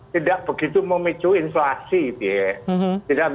tidak begitu memicu inflasi gitu ya